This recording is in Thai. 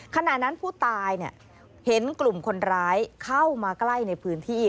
ขณะนั้นผู้ตายเห็นกลุ่มคนร้ายเข้ามาใกล้ในพื้นที่